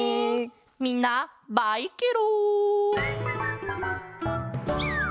みんなバイケロン！